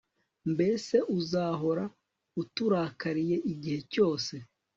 mbese uzahora uturakariye igihe cyose